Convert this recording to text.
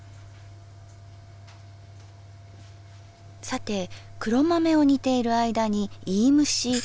さて黒豆を煮ている間にいいむし。